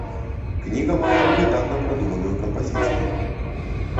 Кніга мае выдатна прадуманую кампазіцыю.